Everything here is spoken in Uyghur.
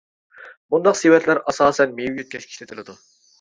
بۇنداق سېۋەتلەر ئاساسەن مېۋە يۆتكەشكە ئىشلىتىلىدۇ.